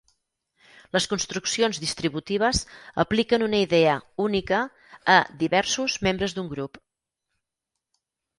Les construccions distributives apliquen una idea "única" a "diversos" membres d'un grup.